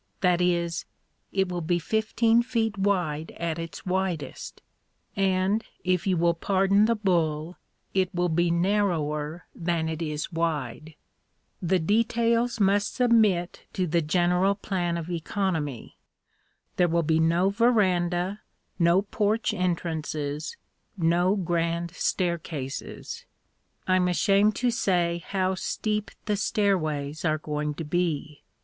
That is, it will be fifteen feet wide at its widest and, if you will pardon the bull, it will be narrower than it is wide. The details must submit to the general plan of economy. There will be no veranda, no porch entrances, no grand staircases. I'm ashamed to say how steep the stairways are going to be.